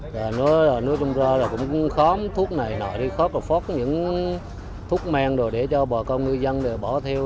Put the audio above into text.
rồi nó trông ra là cũng khó thúc này nọ đi khóc phóc những thúc men rồi để cho bà con ngư dân bỏ theo